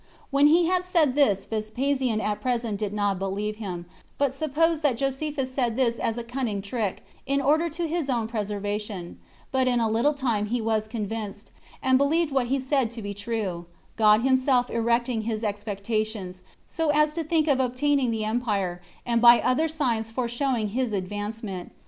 When he had said this, Vespasian at present did not believe him, but supposed that Josephus said this as a cunning trick, in order to his own preservation; but in a little time he was convinced, and believed what he said to be true, God himself erecting his expectations, so as to think of obtaining the empire, and by other signs fore showing his advancement.